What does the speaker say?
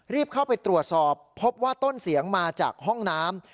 เข้าไปตรวจสอบพบว่าต้นเสียงมาจากห้องน้ำ